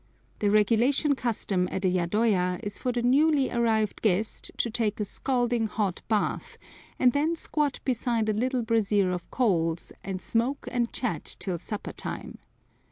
The regulation custom at a yadoya is for the newly arrived guest to take a scalding hot bath, and then squat beside a little brazier of coals, and smoke and chat till supper time.